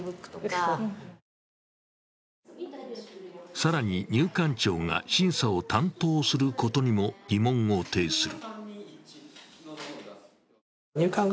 更に入管庁が審査を担当することにも疑問を呈する。